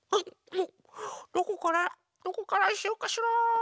どこからどこからしようかしら。